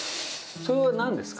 それはなんでですか。